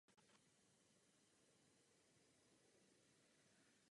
Jméno náměstí se během historie několikrát měnilo.